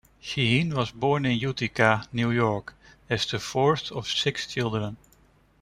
Sheheen was born in Utica, New York as the fourth of six children.